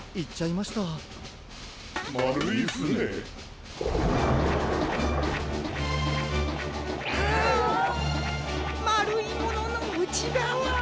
まるいもののうちがわ。